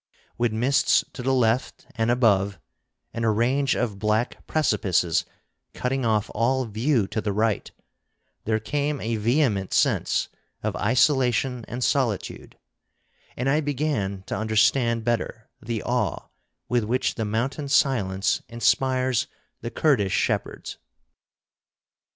With mists to the left and above, and a range of black precipices cutting off all view to the right, there came a vehement sense of isolation and solitude, and I began to understand better the awe with which the mountain silence inspires the Kurdish shepherds.